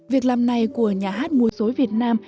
việc làm này của nhà hát mua dối việt nam